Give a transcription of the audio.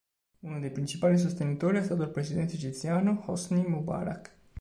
Uno dei principali sostenitori è stato il presidente egiziano Hosni Mubarak.